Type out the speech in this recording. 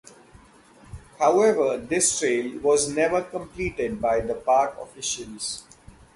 However, this trail was never completed by the park officials.